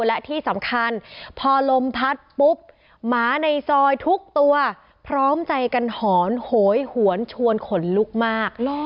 และที่สำคัญพอลมพัดปุ๊บหมาในซอยทุกตัวพร้อมใจกันหอนโหยหวนชวนขนลุกมาก